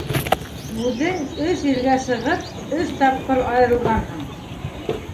Үҙең өс иргә сығып, өс тапҡыр айырылғанһың.